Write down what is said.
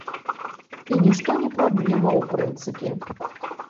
І нішто не праблема, у прынцыпе.